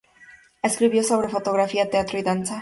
Escribió sobre fotografía, teatro y danza.